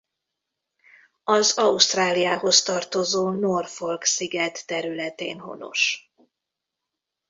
Az Ausztráliához tartozó Norfolk-sziget területén honos.